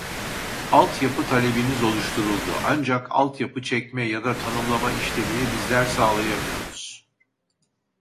Alt yapı talebiniz oluşturuldu ancak alt yapı çekme ya da tanımlama işlemini bizler sağlayamıyoruz